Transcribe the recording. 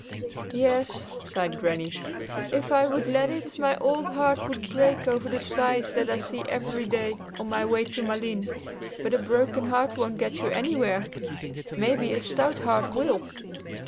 "Yes," sighed Granny; "if I would let it, my old heart would break over the sights that I see every day on my way to Malines. But a broken heart won't get you anywhere. Maybe a stout heart will."